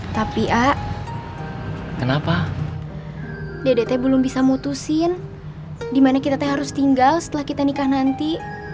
tapi a kenapa dede belum bisa mutusin dimana kita harus tinggal setelah kita nikah nanti